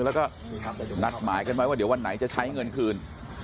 แล้วก็นัดหมายกันไว้ว่าเดี๋ยววันไหนจะใช้เงินคืน